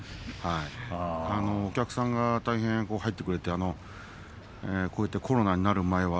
お客さんが入ってくれてこういったコロナになる前は